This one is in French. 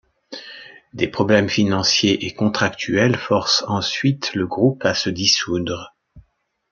Des problèmes financiers et contractuels forcent ensuite le groupe à se dissoudre.